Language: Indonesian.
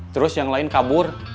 terus yang lain kabur